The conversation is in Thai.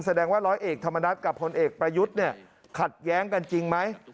แสดงว่าร้อยเอกธรรมนัฐกับพลเอกประยุทธ์เนี่ยขัดแย้งกันจริงไหม